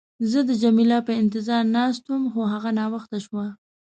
زه د جميله په انتظار ناست وم، خو هغه ناوخته شوه.